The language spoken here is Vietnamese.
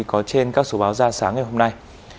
có trên các số báo ra sáng ngày hôm nay